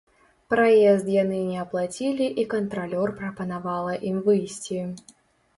Праезд яны не аплацілі і кантралёр прапанавала ім выйсці.